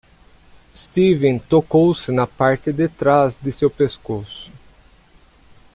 Steven tocou-se na parte de trás do seu pescoço.